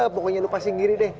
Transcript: pokoknya lu pasir singgiri deh